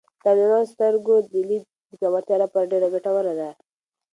دا مېوه د سترګو د لید د پیاوړتیا لپاره ډېره ګټوره ده.